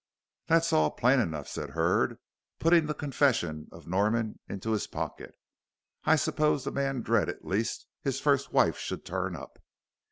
"That's all plain enough," said Hurd, putting the confession of Norman into his pocket. "I suppose the man dreaded lest his first wife should turn up."